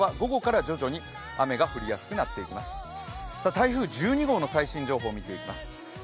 台風１２号の最新情報、見ていきます。